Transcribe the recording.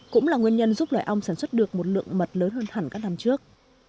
cũng là nguyên nhân giúp loài ong sản xuất được một lượng mật lớn hơn hẳn các năm trước